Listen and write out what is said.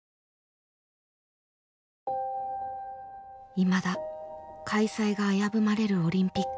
いまだ開催が危ぶまれるオリンピック。